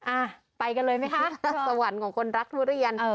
อ่ะไปกันเลยไหมคะสวรรค์ของคนรักทุเรียน